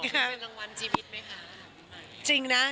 แล้วมีรางวัลจีบอีทไหมคะ